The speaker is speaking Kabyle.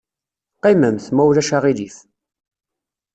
Qqimemt, ma ulac aɣilif.